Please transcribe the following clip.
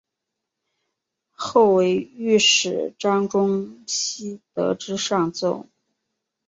后为御史张仲炘得知上奏。